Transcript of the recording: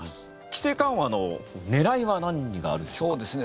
規制緩和の狙いは何があるんでしょうか？